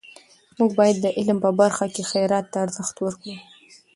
موږ باید د علم په برخه کې خیرات ته ارزښت ورکړو.